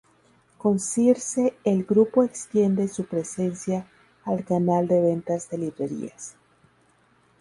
Con Circe, el grupo extiende su presencia al canal de ventas de librerías.